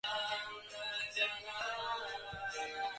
আর যারা বেঁচে আছি তারা আলোর অভিযাত্রী হব।